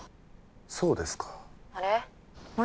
そうですか☎あれっ？